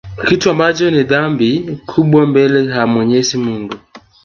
kitu ambacho ni dhambi kubwa mbele ya Mwenyezi Mungu